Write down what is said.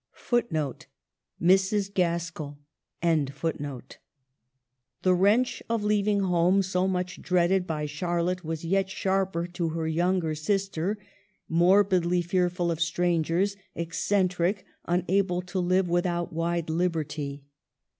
1 The wrench of leaving home, so much dreaded by Charlotte, was yet sharper to her younger sister, morbidly fearful of strangers, eccentric, unable to live without wide liberty.